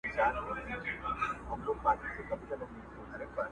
پوره درې مياشتي امير دئ زموږ پېشوا دئ!.